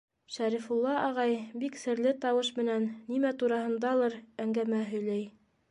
Шәрифулла ағай бик серле тауыш менән нимә тураһындалыр әңгәмә һөйләй.